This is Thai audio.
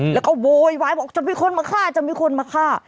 แล้วก็โวยวายบอกจะมีคนมาฆ่าจะมีคนมาฆ่า